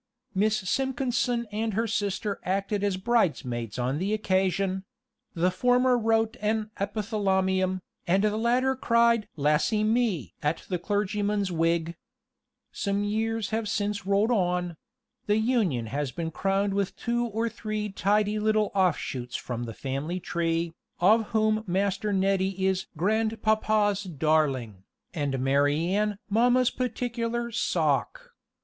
Miss Simpkinson and her sister acted as brides maids on the occasion; the former wrote an epithalamium, and the latter cried "Lassy me!" at the clergyman's wig. Some years have since rolled on; the union has been crowned with two or three tidy little off shoots from the family tree, of whom Master Neddy is "grandpapa's darling," and Mary Anne mamma's particular "Sock."